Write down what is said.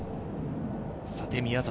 さて、宮里。